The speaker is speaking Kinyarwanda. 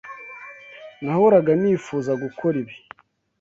Nahoraga nifuza gukora ibi.